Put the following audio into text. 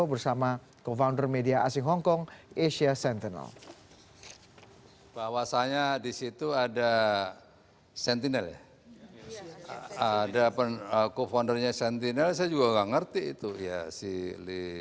bersama go founder media asing hong kong asia sentinel